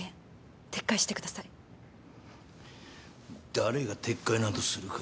誰が撤回などするか。